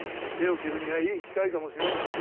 手を切るにはいい機会かもしれん。